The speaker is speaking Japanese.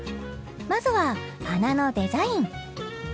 ［まずは穴のデザイン］